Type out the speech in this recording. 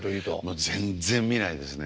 もう全然見ないですね。